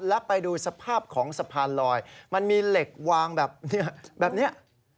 แล้วไปดูสภาพของสะพานลอยมันมีเหล็กวางแบบเนี่ยแบบเนี่ย